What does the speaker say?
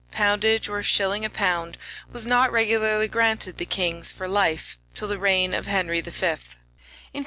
Poundage, or a shilling a pound, was not regularly granted the kings for life till the reign of Henry V.